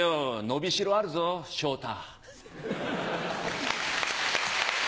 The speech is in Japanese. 伸びしろあるぞ昇太。